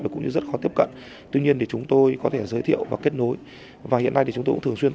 và cũng như rất khó tiếp cận tuy nhiên chúng tôi có thể giới thiệu và kết nối và hiện nay chúng tôi cũng thường xuyên